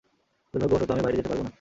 দুর্ভাগ্যবশত, আমি বাইরে যেতে পারব না।